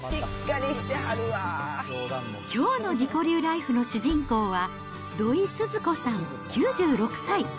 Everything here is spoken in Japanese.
きょうの自己流ライフの主人公は、土井スズ子さん９６歳。